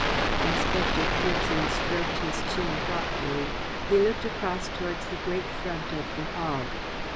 Inspector Cloutson stroked his chin thoughtfully. He looked across towards the great front of the Hall.